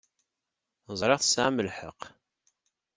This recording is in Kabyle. Ẓṛiɣ tesɛam lḥeq.